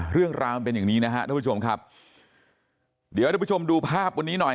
เรื่องราวมันเป็นอย่างนี้นะฮะท่านผู้ชมครับเดี๋ยวทุกผู้ชมดูภาพวันนี้หน่อย